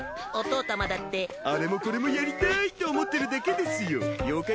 お父たまだってあれもこれもやりたいって思ってるだけですよ。